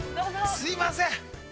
◆すいません。